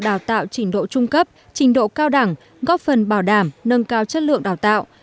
đào tạo trình độ trung cấp trình độ cao đẳng góp phần bảo đảm nâng cao chất lượng đào tạo